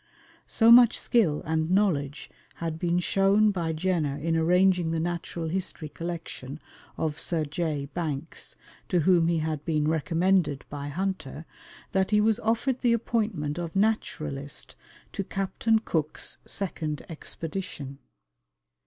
So much skill and knowledge had been shown by Jenner in arranging the natural history collection of Sir J. Banks, to whom he had been recommended by Hunter, that he was offered the appointment of naturalist to Captain Cook's second expedition.